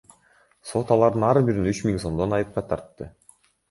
Сот алардын ар бирин үч миң сомдон айыпка тартты.